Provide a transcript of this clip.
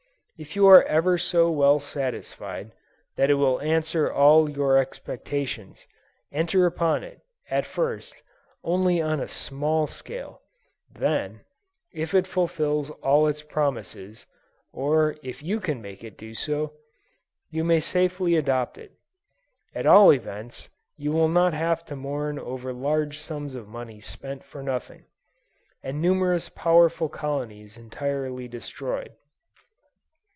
If you are ever so well satisfied that it will answer all your expectations, enter upon it, at first, only on a small scale; then, if it fulfills all its promises, or if you can make it do so, you may safely adopt it: at all events, you will not have to mourn over large sums of money spent for nothing, and numerous powerful colonies entirely destroyed.